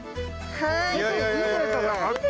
はい。